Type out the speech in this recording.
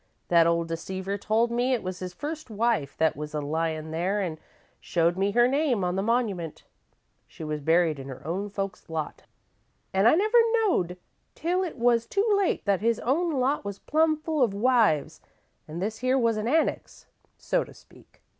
That old deceiver told me it was his first wife that was a lyin' there, an' showed me her name on the monumint. She was buried in her own folks' lot, an' I never knowed till it was too late that his own lot was plum full of wives, an' this here was a annex, so to speak.